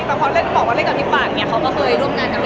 แต่พอเล่นกับเขาในปากหรือเค้าก็เคยร่วมกันกับมัน